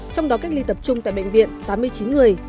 trong đó cách ly tập trung tại bệnh viện tám mươi chín người